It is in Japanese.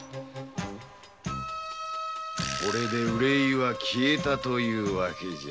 これで憂いは消えたという訳じゃ。